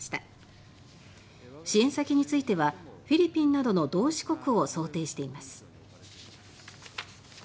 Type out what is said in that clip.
支援先についてはフィリピンなどの同志国を想定しています。